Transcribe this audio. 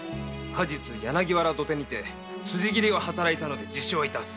過日柳原土手にて辻斬りを働いたので自首を致す。